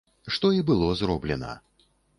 Што і было зроблена.